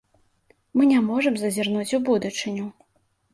Мы не можам зазірнуць у будучыню.